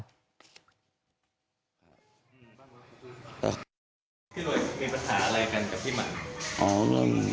พี่หนุ่ยมีปัญหาอะไรกันกับพี่หมั่น